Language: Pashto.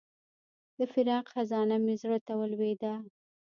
د فراق خزانه مې زړه ته ولوېده.